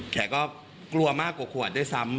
แกก็กลัวมากกว่าขวดด้วยซ้ำ